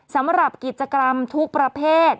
สำหรับกิจกรรมทุกประเภท